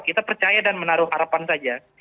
kita percaya dan menaruh harapan saja